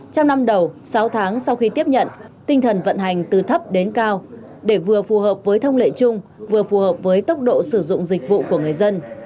trong năm đầu sáu tháng sau khi tiếp nhận tinh thần vận hành từ thấp đến cao để vừa phù hợp với thông lệ chung vừa phù hợp với tốc độ sử dụng dịch vụ của người dân